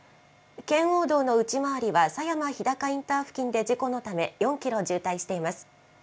圏央道の内回りは狭山日高インター付近で事故のため４キロ渋滞しています。